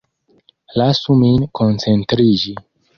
Lasu min koncentriĝi.